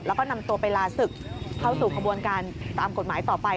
แล้วก็นำตัวไปลาศึกเข้าสู่ขบวนการตามกฎหมายต่อไป